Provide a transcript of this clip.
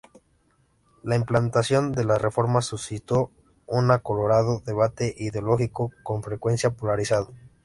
La implantación de las reformas suscitó un acalorado debate ideológico con frecuencia polarizado.